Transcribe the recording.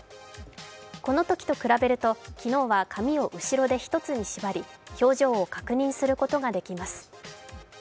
このときと比べると、昨日は髪を後ろで一つに縛り表情を確認することができます。